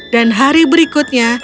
dan hari berikutnya